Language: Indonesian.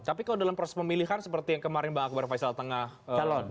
tapi kalau dalam proses pemilihan seperti yang kemarin mbak akbar faisal tengah calon